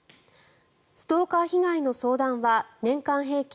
ストーカー被害の相談は年間平均